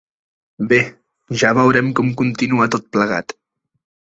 Bé, ja veurem com continua tot plegat.